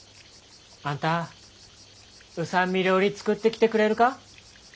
あんた御三味料理作ってきてくれるか？